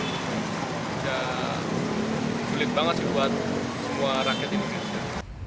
ini juga sulit banget sih buat semua rakyat indonesia